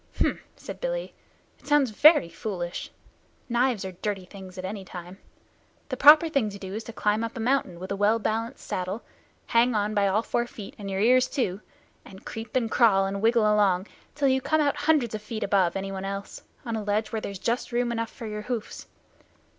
"H'm!" said Billy. "It sounds very foolish. Knives are dirty things at any time. The proper thing to do is to climb up a mountain with a well balanced saddle, hang on by all four feet and your ears too, and creep and crawl and wriggle along, till you come out hundreds of feet above anyone else on a ledge where there's just room enough for your hoofs.